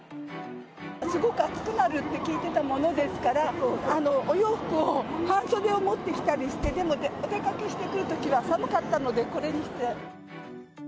すごく暑くなるって聞いてたものですから、お洋服を、半袖を持ってきたりして、でもお出かけしてくるときは寒かったので、これを着て。